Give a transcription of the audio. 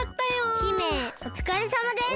姫おつかれさまです。